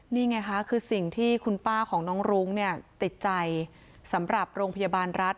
นี่ไงคะคือสิ่งที่คุณป้าของน้องรุ้งเนี่ยติดใจสำหรับโรงพยาบาลรัฐ